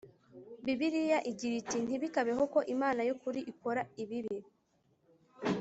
Bibiliya igira iti ntibikabeho ko Imana y ukuri ikora ibibi